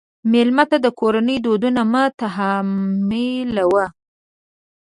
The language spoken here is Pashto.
مېلمه ته د کورنۍ دودونه مه تحمیلوه.